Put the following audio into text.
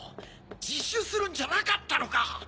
自首するんじゃなかったのか？